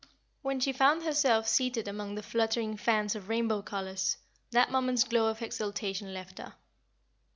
When she found herself seated among the fluttering fans of rainbow colors, that moment's glow of exultation left her.